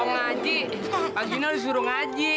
ngaji pak gina disuruh ngaji